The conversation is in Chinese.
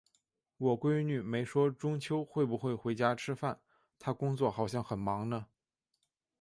我闺女没说中秋会不会回家吃饭，她工作好像很忙呢。